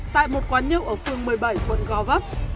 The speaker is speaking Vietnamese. tại một quán nhậu ở phường một mươi bảy quận gò vấp